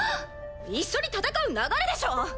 一緒に戦う流れでしょう！